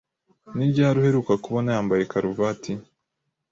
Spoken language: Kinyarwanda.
Ni ryari uheruka kubona yambaye karuvati?